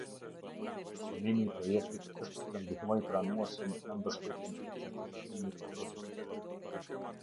Synimi i Projektit është të ndihmojë Pranuesin në mbështetjen e certifikimit të produkteve.